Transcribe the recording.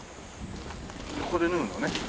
ここで脱ぐのね。